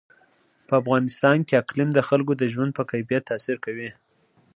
په افغانستان کې اقلیم د خلکو د ژوند په کیفیت تاثیر کوي.